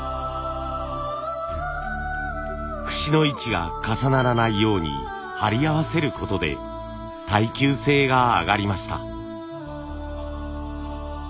節の位置が重ならないように貼り合わせることで耐久性が上がりました。